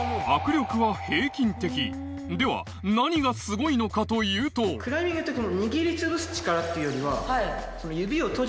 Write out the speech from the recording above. では何がすごいのかというとクライミングって握りつぶす力っていうよりは。